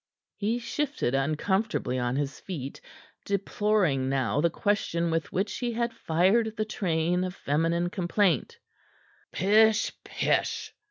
He shifted uncomfortably on his feet, deploring now the question with which he had fired the train of feminine complaint. "Pish, pish!"